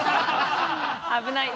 危ない。